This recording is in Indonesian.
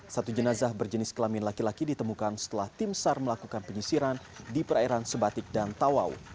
satu jenazah berjenis kelamin laki laki ditemukan setelah tim sar melakukan penyisiran di perairan sebatik dan tawau